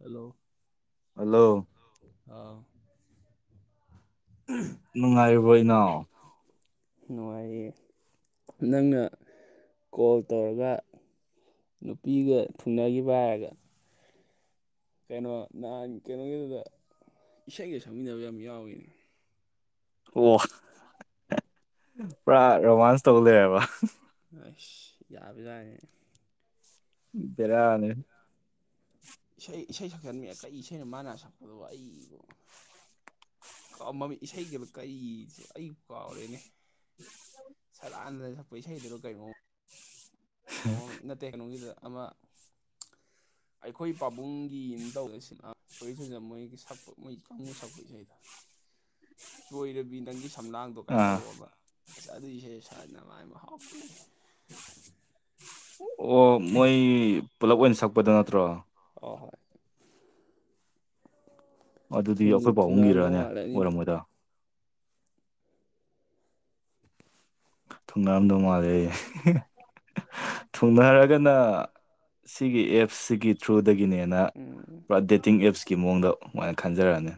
hello hello ꯑꯣ ꯅꯨꯡꯉꯥꯏꯕꯩꯅꯣ ꯅꯨꯡꯉꯥꯏꯔꯤꯌꯦ ꯅꯪꯅ ꯀꯣꯜ ꯇꯧꯔꯒ ꯅꯨꯄꯤꯒ ꯊꯨꯡꯅꯈꯤꯕ ꯍꯥꯏꯔꯒ ꯀꯩꯅꯣ ꯅꯍꯥꯟ ꯀꯩꯅꯣꯒꯤꯗꯨꯗ ꯏꯁꯩꯒ ꯁꯛꯃꯤꯟꯅꯕ ꯌꯥꯝ ꯌꯥꯎꯏꯤꯅꯤ ꯑꯣ ꯄꯨꯔꯥ ꯔꯣꯃꯥꯟꯁ ꯇꯧ ꯂꯩꯔꯦꯕ ꯑꯁ ꯌꯥꯕ ꯌꯥꯔꯦ ꯏꯗꯔꯅꯤ ꯏꯁꯩ ꯏꯁꯩ ꯁꯛꯁꯟꯕ ꯀꯔꯤ ꯏꯁꯩꯅ ꯃꯥꯅ ꯁꯛꯄꯗꯕꯨ ꯑꯩꯕꯨ ꯃꯃꯤ ꯏꯁꯩꯒ ꯀꯩꯁꯨ ꯑꯩ ꯀꯥꯎꯔꯦꯅꯦ ꯎ ꯁꯂꯥꯟꯗꯅ ꯁꯛꯄ ꯏꯁꯩꯗꯨꯔꯣ ꯀꯩꯅꯣ ꯅꯠꯇꯦ ꯀꯩꯅꯣꯒꯤꯗꯨꯗ ꯑꯃ [unintelligible] ꯑꯩꯈꯣꯏ ꯄꯥꯕꯨꯡꯒꯤꯅ ꯇꯧꯔꯤꯁꯤꯅ ꯁꯣꯔꯤ ꯁꯟꯖꯝ ꯃꯣꯏꯒꯤ ꯁꯛꯄ ꯃꯣꯏ ꯀꯥꯡꯕꯨ ꯁꯛꯄ ꯏꯁꯩꯗ [unintelligible] ꯆꯣꯏꯔꯕꯤ ꯅꯪꯒꯤ ꯁꯝꯂꯥꯡꯗꯣ ꯀꯥꯏꯅ ꯑꯥ ꯇꯧꯕ ꯑꯁ ꯑꯗꯨꯏꯁꯦ ꯁꯥꯟꯅꯕꯅꯕꯥꯏ ꯃꯍꯥꯎꯇꯤ ꯑꯣ ꯃꯣꯏ ꯄꯨꯂꯞ ꯑꯣꯏꯅ ꯁꯛꯄꯗ ꯅꯠꯇ꯭ꯔꯣ ꯍ ꯍꯣꯏ ꯑꯗꯨꯗꯤ ꯑꯩꯈꯣꯏ ꯊꯨꯡꯅꯔꯝꯗꯧ ꯄꯥꯎꯕꯨꯝꯒꯤꯔꯅꯦ ꯃꯥꯜꯂꯦ ꯑꯅꯤꯗꯨ ꯑꯣꯏꯔꯝꯝꯕꯗ ꯊꯨꯡꯅꯥꯔꯝꯗꯧ ꯃꯥꯜꯂꯦ ꯑꯩ ꯊꯨꯡꯅꯔꯒꯅ ꯁꯤꯒꯤ ꯑꯦꯞꯁꯤꯒꯤ ꯊ꯭ꯔꯨ ꯑꯗꯨ ꯗꯒꯤꯅꯦꯅ ꯎꯝ ꯄꯨꯔꯥ ꯗꯦꯇꯤꯡ ꯑꯦꯞꯁꯀꯤ ꯃꯑꯣꯡꯗ ꯑꯗꯨꯨꯃꯥꯏꯅ ꯈꯟꯖꯔꯛꯑꯅꯤ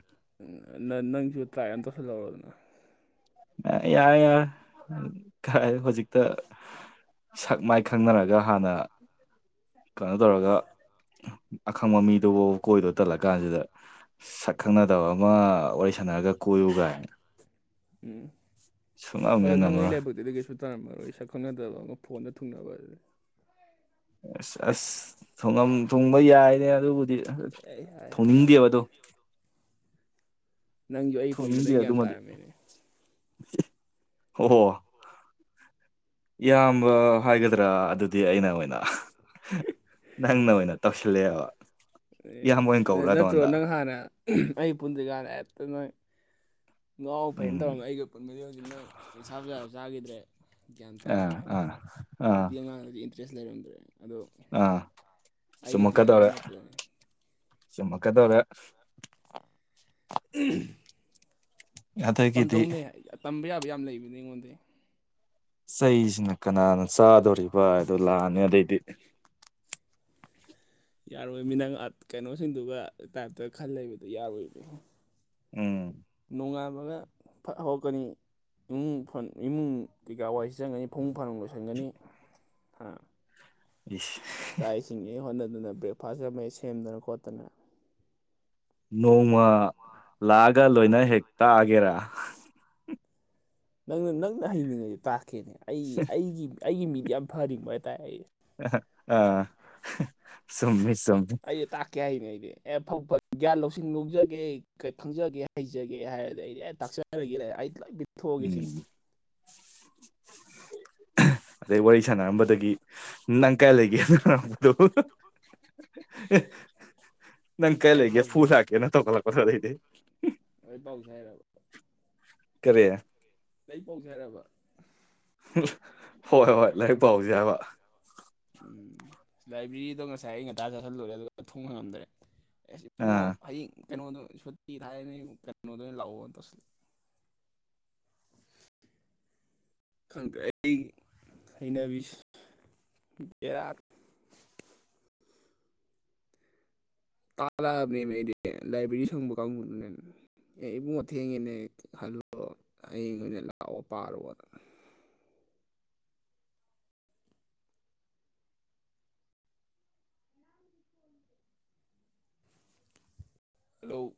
ꯅ ꯅꯪꯁꯨ ꯇ꯭ꯔꯥ ꯑꯃ ꯇꯧꯁꯤꯜꯍꯧꯔꯗꯅ ꯌꯥ ꯌꯥ ꯀꯥꯏ ꯍꯧꯖꯤꯛꯛꯇ ꯁꯛ ꯃꯥꯏ ꯈꯪꯅꯔꯒ ꯍꯥꯟꯅ ꯀꯩꯅꯣ ꯇꯧꯔꯒ ꯑꯈꯪꯕ ꯃꯤꯗꯨꯕꯨ ꯀꯣꯏꯗꯣ ꯇꯜꯂ ꯀꯥꯟꯁꯤꯗꯛ ꯈꯪꯅꯗꯕ ꯑꯃ ꯋꯥꯔꯤ ꯁꯥꯟꯅꯔꯒ ꯀꯣꯏꯌꯨ ꯀꯥꯏꯅ ꯎꯝ ꯁꯨꯡꯉꯝ ꯑꯗꯨ ꯍꯦꯛ ꯅꯪ ꯉꯝꯃꯔꯣꯏ ꯏꯂ ꯍꯥꯏꯕꯠꯇꯦ ꯑꯗꯨꯗꯒꯤ ꯁ ꯇꯔ ꯃꯔꯣꯏ ꯁꯛ ꯈꯪꯅꯗꯕ ꯑꯃ ꯐꯣꯟꯗ ꯊꯨꯡꯅꯕ ꯑꯗꯨ ꯊꯣꯡꯕ ꯌꯥꯏꯅꯦ ꯑꯗꯨꯕꯨꯗꯤ ꯍꯥꯏ ꯍꯥꯏ ꯊꯣꯡꯅꯤꯡꯗꯦꯕꯗꯣ ꯅꯪꯁꯨ ꯑꯩ ꯄꯨꯟꯕꯗꯩ ꯒ꯭ꯌꯥꯟ ꯇꯥꯔꯝꯃꯦꯅꯦ ꯍꯣ ꯏꯌꯥꯝꯕ ꯍꯥꯏꯒꯗ꯭ꯔꯥ ꯑꯗꯨꯗꯤ ꯑꯩꯅ ꯑꯣꯏꯅ ꯅꯪꯅ ꯑꯣꯏꯅ ꯇꯧꯁꯤꯜꯂꯛꯑꯦꯕ ꯏꯌꯥꯝꯕ ꯑꯣꯏꯅ ꯀꯧꯔꯥ ꯅꯠꯇ꯭ꯔꯣ ꯅꯉꯣꯟꯗ ꯅꯪ ꯍꯥꯟꯅ ꯑꯩ ꯄꯨꯟꯗ꯭ꯔꯤꯀꯥꯟꯗ ꯍꯦꯛꯇ ꯅꯣꯢ ꯉꯥꯎꯕ ꯐꯩꯅ ꯎꯝ ꯇꯧꯔꯝꯕ ꯑꯩꯒꯤꯒ ꯄꯨꯟꯕꯗꯤ ꯍꯧꯖꯤꯛ ꯅꯪ ꯅꯤꯁꯥ ꯕꯁꯥꯁꯨ ꯆꯥꯈꯤꯗ꯭ꯔꯦ ꯒ꯭ꯌꯥꯟ ꯑꯥ ꯑꯥ ꯑꯥ ꯑꯦꯁ ꯂꯩꯔꯝꯗ꯭ꯔꯦ ꯑꯗꯣ ꯑꯥ ꯑꯩꯒ ꯇꯤꯟꯅꯕꯩ ꯅꯠꯇ꯭ꯔꯅꯦ ꯆꯨꯃꯛꯀ ꯇꯣꯔꯦ [inaudible] ꯑꯗꯒꯤꯗꯤ ꯇꯝꯖꯧꯅꯦ ꯇꯝꯕ ꯌꯥꯕ ꯌꯥꯝ ꯂꯩꯕꯅꯤ ꯑꯩꯉꯣꯟꯗꯤ ꯆꯩꯁꯤꯅ ꯀꯅꯥꯅ ꯆꯥꯗꯣꯔꯤꯕ ꯍꯥꯏꯗꯣ ꯂꯥꯛꯑꯅꯤ ꯑꯗꯩꯗꯤ ꯌꯥꯔꯣꯏ ꯃꯤ ꯅꯪ ꯀꯩꯅꯣꯁꯤꯡꯗꯨꯒ ꯇꯥꯏꯞꯇ ꯈꯜ ꯂꯩꯕꯗꯨ ꯌꯥꯔꯣꯏꯅꯦ ꯎꯝ ꯅꯣꯡꯉꯥꯟꯕꯒ ꯐ ꯍꯧꯔꯛꯀꯅꯤ ꯏꯃꯨꯡ ꯏꯃꯨꯡ ꯀꯤꯀꯥ ꯋꯥꯏꯁꯤꯟ ꯒꯅꯤ ꯐꯃꯨꯡ ꯐꯅ ꯂꯣꯏꯁꯤꯟꯒꯅꯤ ꯑ ꯏꯁ ꯆꯥꯛ ꯏꯁꯤꯡꯉꯩ ꯍꯣꯠꯅꯗꯅ ꯕ꯭ꯔꯦꯛꯐꯥꯁꯀ ꯃꯩ ꯁꯦꯝꯗꯅ ꯈꯣꯠꯇꯅ ꯅꯣꯡꯃ ꯂꯥꯛꯑꯒ ꯂꯣꯏꯅ ꯍꯦꯛ ꯇꯥꯛꯑꯒꯦꯔꯥ ꯅꯪꯅ ꯅꯪꯅ ꯍꯩꯅꯤꯡꯉꯁ ꯇꯥꯛꯀꯦꯅꯦ ꯑꯩ ꯑꯩꯒꯤ ꯑꯩꯒꯤ ꯃꯤꯗꯤ ꯌꯥꯝ ꯐꯔꯤꯕ ꯍꯥꯏꯇꯥꯔꯦ ꯑꯩꯁꯦ ꯑ ꯁꯨꯝꯃꯦ ꯑꯩ ꯇꯥꯀꯦ ꯍꯥꯏꯅꯦ ꯑꯩ ꯑꯦꯐꯧ ꯐ ꯒ꯭ꯌꯥꯟ ꯂꯧꯁꯤꯡ ꯂꯧꯖꯒꯦ ꯀꯩ ꯈꯪꯖꯒꯦ ꯍꯩꯖꯒꯦ ꯍꯥꯏꯔꯗꯤ ꯑꯩꯗꯤ ꯑꯦ ꯇꯥꯛꯆꯔꯒꯦꯅꯦ ꯑꯩ ꯊꯣꯑ ꯒꯦꯁꯤꯅꯤ ꯎꯝ ꯑꯗꯩ ꯋꯥꯔꯤ ꯁꯥꯟꯅꯔꯝꯕꯗꯒꯤ ꯅꯪ ꯀꯥꯢ ꯂꯩꯒꯦꯅꯔꯝꯕꯗꯣ ꯅꯪ ꯀꯩ ꯂꯩ ꯂꯥꯏꯔꯤꯛ ꯂꯩꯒꯦ ꯄꯥꯎꯁꯦ ꯐꯨꯜ ꯍꯥꯏꯔ ꯍꯥꯀꯦ ꯅ ꯇꯧꯈꯠꯂꯛꯄꯗꯣ ꯑꯗꯩꯗꯤ ꯂꯥꯏꯔꯤꯛ ꯄꯥꯎꯁꯦ ꯍꯥꯏꯔꯕ ꯀꯔꯤ ꯑꯩ ꯄꯥꯎꯖꯦꯔꯕ ꯍꯣꯏ ꯍꯣꯏ ꯂꯥꯏꯔꯤꯛ ꯄꯥꯎꯖꯦꯕ ꯎꯝ ꯂꯥꯏꯕ꯭ꯔꯦꯔꯤꯗꯣ ꯉꯁꯥꯏ ꯑꯩ ꯉꯟꯇꯥ ꯆꯥꯁꯤꯜꯂꯨꯔꯦ ꯑꯗꯨꯒ ꯊꯣꯡꯕ ꯉꯝꯗ꯭ꯔꯦ ꯑꯦꯁ ꯏꯕꯣꯉꯣ ꯑꯥ ꯍꯌꯦꯡ ꯀꯩꯅꯣꯗ ꯁꯨꯇꯤ ꯊꯥꯏꯅ ꯀꯩꯅꯣꯗ ꯑꯣꯏꯅ ꯂꯥꯛꯑꯣ ꯇꯧꯁꯤꯜ [inaudible] ꯈꯪꯗꯦ ꯑꯩ ꯍꯩꯅꯥꯕꯤꯁ ꯕꯦꯔꯥ ꯇꯥꯥꯜꯂꯛꯑꯕꯅꯤ ꯂꯥꯏꯕ꯭ꯔꯦꯔꯤ ꯁꯪꯕ ꯀꯥꯡꯕꯨꯗꯨꯅ ꯑꯦ ꯏꯕꯨꯡꯉ ꯑꯊꯦꯡꯉꯦꯅꯦ ꯍꯜꯂꯂꯣ ꯍꯌꯦꯡ ꯑꯣꯏꯅ ꯂꯥꯛꯑꯣ ꯄꯥꯔꯣꯅ [inaudible] ꯍꯜꯂꯣ